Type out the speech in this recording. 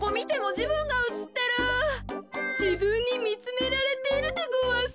じぶんにみつめられているでごわす。